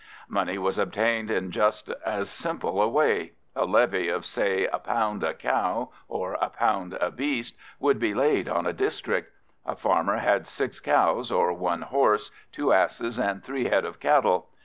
Money was obtained in just as simple a way. A levy of, say, a pound a cow or a pound a beast would be laid on a district. A farmer had six cows or one horse, two asses, and three head of cattle.